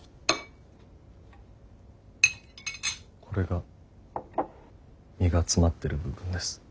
これが身が詰まってる部分です。